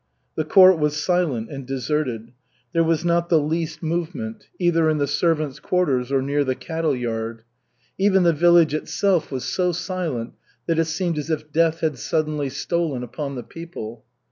The court was silent and deserted. There was not the least movement, either in the servants' quarters or near the cattle yard. Even the village itself was so silent that it seemed as if death had suddenly stolen upon the people.